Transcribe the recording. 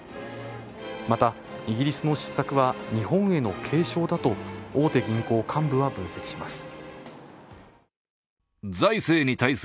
また、イギリスの失策は日本への警鐘だと大手銀行幹部は分析します。